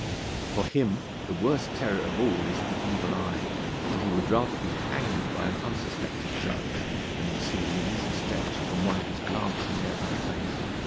For him the worst terror of all is the evil eye, and he would rather be hanged by an unsuspected judge than receive an easy stretch from one whose glance he dared not face.